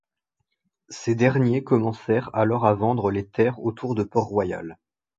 Ces derniers commencèrent alors à vendre les terres autour de Port Royal.